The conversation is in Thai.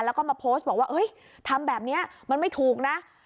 แล้วก็มาโพสต์บอกว่าทำแบบนี้มันไม่ถูกนะ